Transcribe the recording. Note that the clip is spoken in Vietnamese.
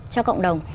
cho cộng đồng